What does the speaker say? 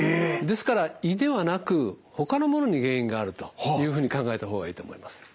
ですから胃ではなくほかのものに原因があるというふうに考えたほうがいいと思います。